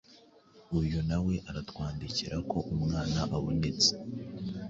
uyu nawe aratwandikira ko umwana abonetse